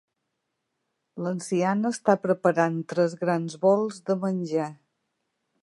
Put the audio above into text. L'anciana està preparant tres grans bols de menjar.